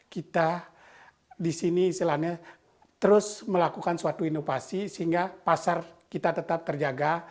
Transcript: kita di sini istilahnya terus melakukan suatu inovasi sehingga pasar kita tetap terjaga